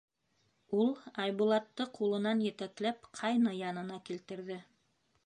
— Ул Айбулатты ҡулынан етәкләп, ҡайны янына килтерҙе: